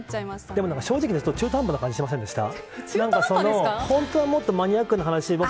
でも正直言って中途半端な感じしませんでした。